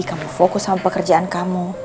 kamu fokus sama pekerjaan kamu